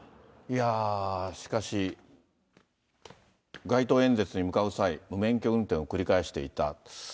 しかし、街頭演説に向かう際、無免許運転を繰り返していた。